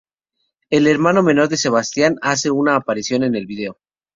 El hermano menor de Sebastián, hace una aparición en el vídeo.